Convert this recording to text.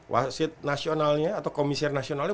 wasit nasionalnya atau komisi nasionalnya